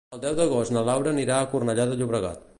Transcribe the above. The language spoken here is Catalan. El deu d'agost na Laura anirà a Cornellà de Llobregat.